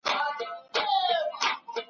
تاسو بايد د خپلې ټولنې خدمت وکړئ.